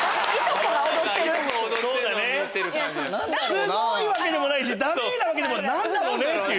すごいわけでもないしダメなわけでもない。